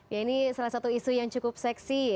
ya ini salah satu isu yang cukup seksi